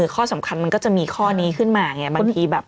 ข้อสำคัญมันก็จะมีข้อนี้ขึ้นมาไงบางทีแบบ